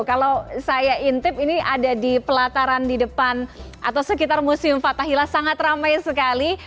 kalau saya intip ini ada di pelataran di depan atau sekitar museum fathahila sangat ramai sekali